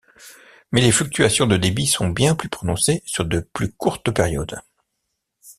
Mais les fluctuations de débit sont bien plus prononcées sur de plus courtes périodes.